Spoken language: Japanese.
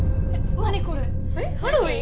何これえっハロウィーン？